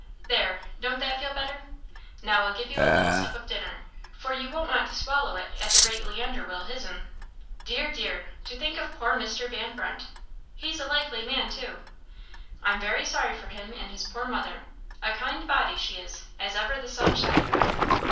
There don't that feel better? now I'll give you a little sup of dinner, for you won't want to swallow it at the rate Leander will his'n. Dear! dear! to think of poor Mr. Van Brunt! He's a likely man, too; I'm very sorry for him and his poor mother. A kind body she is, as ever the sun shined upon."